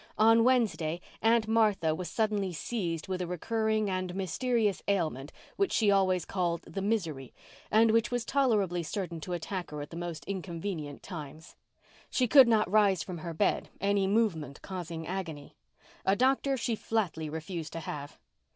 On Wednesday Aunt Martha was suddenly seized with a recurring and mysterious ailment which she always called "the misery," and which was tolerably certain to attack her at the most inconvenient times. She could not rise from her bed, any movement causing agony. A doctor she flatly refused to have.